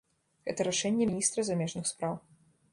Гэта рашэнне міністра замежных спраў.